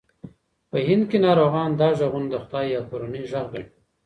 په هند کې ناروغان دا غږونه د خدای یا کورنۍ غږ ګڼي.